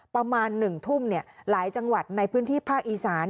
ประมาณหนึ่งทุ่มเนี่ยหลายจังหวัดในพื้นที่ภาคอีสาน